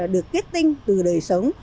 được kết tinh từ đời sống